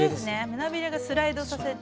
胸ビレがスライドさせて。